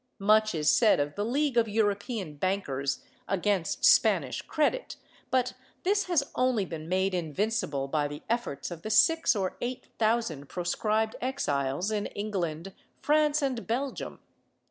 Much is said of the league of European bankers against Spanish credit, but this has only been made invincible by the efforts of the six or eight thousand proscribed exiles in England, France and Belgium.